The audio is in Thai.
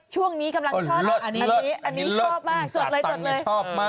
ช่วงนี้กำลังชอบอันนี้อันนี้ชอบมากสวดเลย